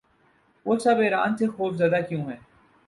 وہ سب ایران سے خوف زدہ کیوں ہیں؟